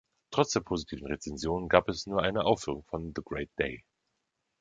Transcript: Trotz der positiven Rezensionen gab es nur eine Aufführung von „The Great Day“.